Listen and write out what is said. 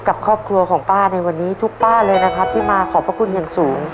กับครอบครัวของป้าในวันนี้ทุกป้าเลยนะครับที่มาขอบพระคุณอย่างสูง